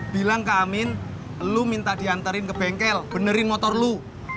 bilang ke amin lu minta diantarin ke bengkel benerin motor lo